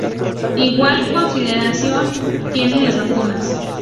Igual consideración tienen las vacunas.